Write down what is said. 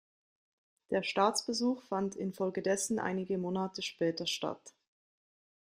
Der Staatsbesuch fand infolgedessen einige Monate später statt.